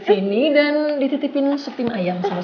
sini dan dititipin you